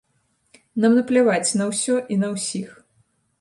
Нам напляваць на ўсё і на ўсіх.